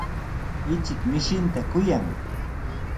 Ichik mishinta kuyan.